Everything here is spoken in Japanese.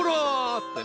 ってね。